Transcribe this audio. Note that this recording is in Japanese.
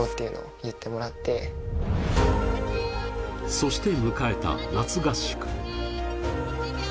そして迎えた夏合宿。